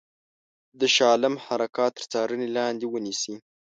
د شاه عالم حرکات تر څارني لاندي ونیسي.